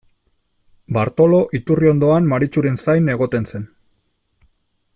Bartolo iturri ondoan Maritxuren zain egoten zen.